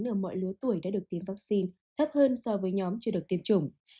ở mọi lứa tuổi đã được tiêm vaccine thấp hơn so với nhóm chưa được tiêm chủng